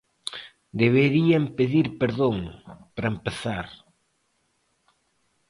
Deberían pedir perdón, para empezar.